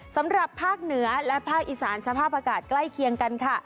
สำหรับภาคเหนือและภาคอีสานสภาพอากาศใกล้เคียงกันค่ะ